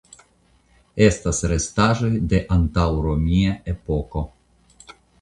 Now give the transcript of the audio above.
Estas restaĵoj de antaŭromia epoko.